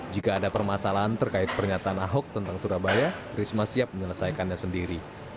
jika ada permasalahan terkait pernyataan ahok tentang surabaya risma siap menyelesaikannya sendiri